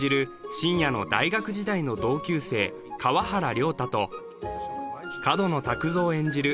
信也の大学時代の同級生川原亮太と角野卓造演じる